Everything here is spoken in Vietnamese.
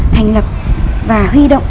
thành lập và huy động